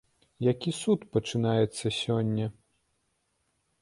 Які суд пачынаецца сёння?